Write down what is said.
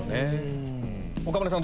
岡村さん